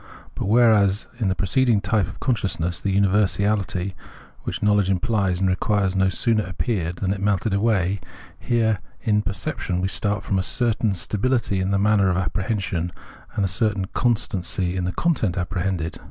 But whereas in the preceding type of consciousness the universality which knowledge implies and requires no sooner appeared than it melted away, here in Perception we start from a certain stahility in the manner of apprehension, and a certain constancy in the content apprehended.